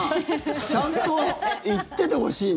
ちゃんと行っててほしいな。